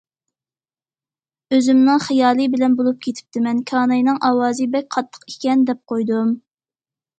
ئۆزۈمنىڭ خىيالى بىلەن بولۇپ كېتىپتىمەن،« كاناينىڭ ئاۋازى بەك قاتتىق ئىكەن» دەپ قويدۇم.